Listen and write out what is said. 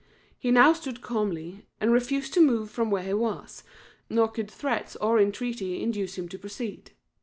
He now stood calmly, and refused to move from where he was, nor could threats or entreaty induce him to proceed.